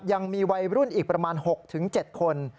ยังมีวัยรุ่นอีกประมาณ๖๗คน